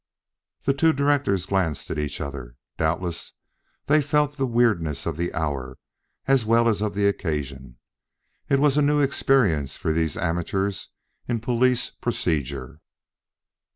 The two directors glanced at each other. Doubtless they felt the weirdness of the hour as well as of the occasion. It was a new experience for these amateurs in police procedure.